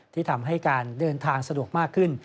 ที่ทำให้การเดินทางสะดวกมากขึ้น